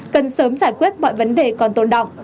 cần sớm giải quyết mọi vấn đề còn tồn động